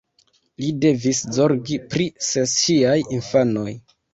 Li devis zorgi pri ses ŝiaj infanoj.